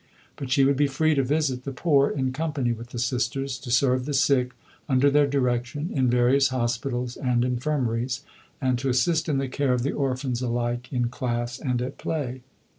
But she would be free to visit the poor in company with the Sisters, to serve the sick under their direction in various hospitals and infirmaries, and to assist in the care of the orphans alike in class and at play.